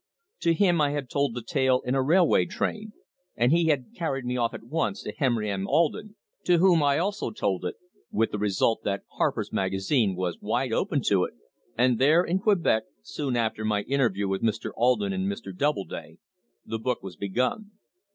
To him I had told the tale in a railway train, and he had carried me off at once to Henry M. Alden, to whom I also told it, with the result that Harper's Magazine was wide open to it, and there in Quebec, soon after my interview with Mr. Alden and Mr. Doubleday, the book was begun.